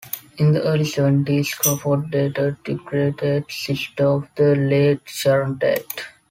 In the early seventies Crawford dated Debra Tate, sister of the late Sharon Tate.